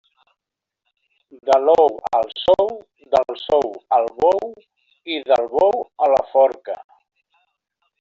De l'ou al sou, del sou al bou, i del bou a la forca.